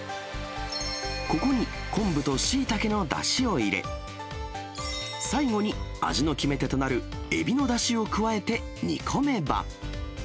ここに昆布とシイタケのだしを入れ、最後に味の決め手となるエビのだしを加えて煮込めば。